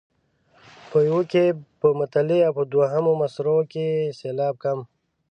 په یوه کې په مطلع او دوهمو مصرعو کې یو سېلاب کم.